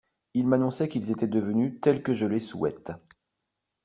Ils m'annonçaient qu'ils étaient devenus tels que je les souhaite.